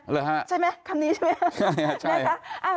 หรือฮะใช่ไหมคำนี้ใช่ไหมฮะใช่ใช่